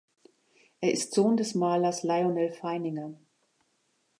Er ist Sohn des Malers Lyonel Feininger.